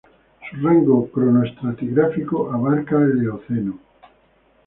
Su rango cronoestratigráfico abarca el Eoceno.